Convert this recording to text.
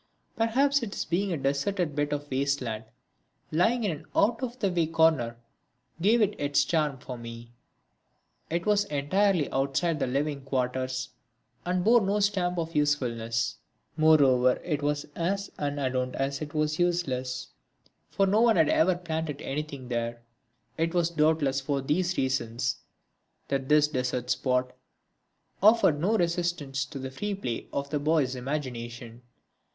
Perhaps its being a deserted bit of waste land lying in an out of the way corner gave it its charm for me. It was entirely outside the living quarters and bore no stamp of usefulness; moreover it was as unadorned as it was useless, for no one had ever planted anything there; it was doubtless for these reasons that this desert spot offered no resistance to the free play of the boy's imagination.